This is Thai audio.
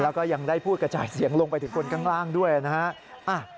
แล้วก็ยังได้พูดกระจายเสียงลงไปถึงคนข้างล่างด้วยนะฮะ